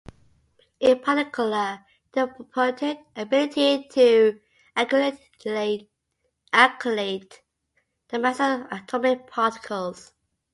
In particular, the purported ability to accurately calculate the masses of atomic particles.